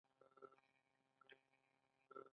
او د دوی خلکو ته سلام.